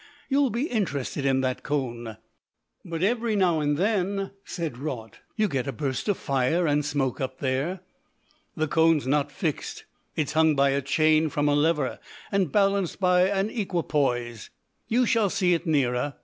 You'll be interested in that cone." "But every now and then," said Raut, "you get a burst of fire and smoke up there." "The cone's not fixed, it's hung by a chain from a lever, and balanced by an equipoise. You shall see it nearer.